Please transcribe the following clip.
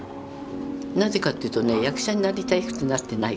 なぜかっていうとね役者になりたくてなってないから。